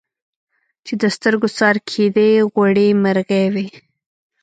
چي د سترګو څار کېدی غوړي مرغې وې